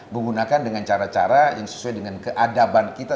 menggunakan dengan cara cara yang sesuai dengan keadaban kita